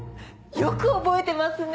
よく覚えてますね！